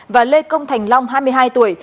và lê công thành long hai mươi hai tuổi